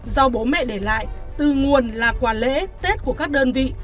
do bố mẹ để lại từ nguồn là quà lễ tết của các đơn vị